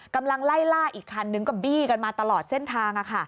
กำลังไล่ล่าอีกคันนึงก็บี้กันมาตลอดเส้นทาง